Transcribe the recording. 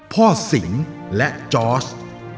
พ่อสิงห์และจอร์จ